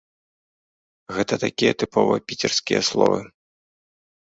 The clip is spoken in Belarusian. Гэта такія тыповыя піцерскія словы.